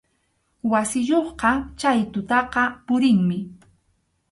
Wasiyuqqa chay tutaqa purinmi.